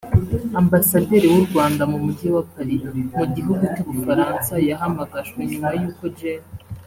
Ambasaderi w’u Rwanda mu mujyi wa Paris mu gihugu cy’u Bufaransa yahamagajwe nyuma y’uko Gen